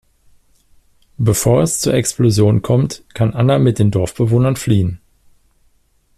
Bevor es zur Explosion kommt kann Anna mit den Dorfbewohnern fliehen.